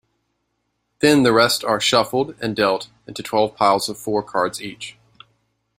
Then the rest are shuffled and dealt into twelve piles of four cards each.